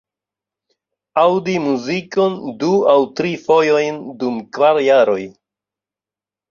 Aŭdi muzikon du aŭ tri fojojn dum kvar jaroj!